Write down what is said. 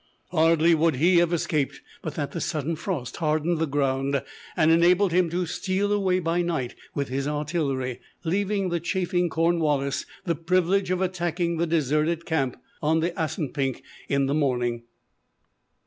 Hardly would he have escaped, but that the sudden frost hardened the ground and enabled him to steal away by night with his artillery, leaving the chafing Cornwallis the privilege of attacking the deserted camp on the Assanpink in the morning.